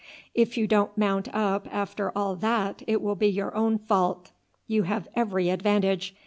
"If you don't mount up after all that it will be your own fault. You have every advantage.